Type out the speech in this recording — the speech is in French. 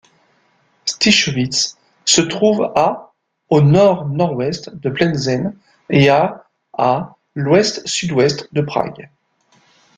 Štichovice se trouve à au nord-nord-ouest de Plzeň et à à l'ouest-sud-ouest de Prague.